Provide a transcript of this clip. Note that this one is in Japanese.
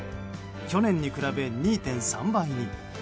去年に比べ２．３倍に。